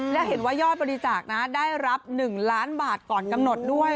และเห็นว่ายอดบริจาคนะได้รับ๑ล้านบาทก่อนกำหนดด้วย